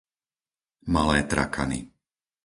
Malé Trakany